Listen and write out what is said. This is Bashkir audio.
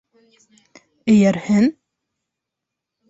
- Эйәрһен!